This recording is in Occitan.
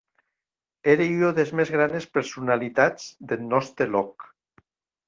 Ère ua des mès granes personalitats deth nòste lòc.